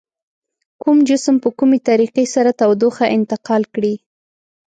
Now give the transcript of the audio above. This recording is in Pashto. کوم جسم په کومې طریقې سره تودوخه انتقال کړي؟